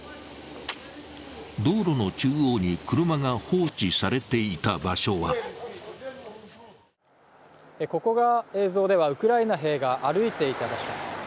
道路の中央に車が放置されていた場所はここが映像ではウクライナ兵が歩いていた場所。